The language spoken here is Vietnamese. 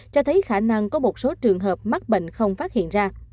cho thấy khả năng có một số trường hợp mắc bệnh không phát hiện ra